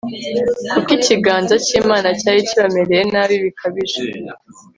kuko ikiganza cy'imana cyari kibamereye nabi bikabije